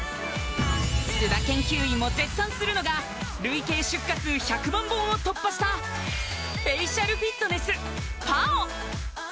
須田研究員も絶賛するのが累計出荷数１００万本を突破したフェイシャルフィットネスＰＡＯ